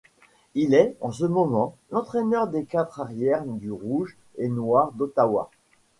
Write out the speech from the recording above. Il est, en ce moment, l'entraîneur des quart-arrières du Rouge et Noir d'Ottawa.